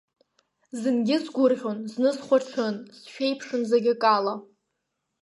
Зынгьы сгәырӷьон, зны схәаҽын, сшәеиԥшын зегь акала.